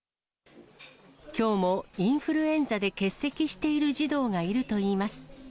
きょうもインフルエンザで欠席している児童がいるといいます。